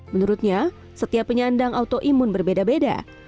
menurutnya setiap penyandang autoimun berbeda beda